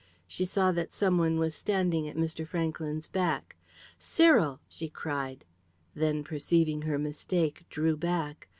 She saw that some one was standing at Mr. Franklyn's back. "Cyril!" she cried. Then, perceiving her mistake, drew back.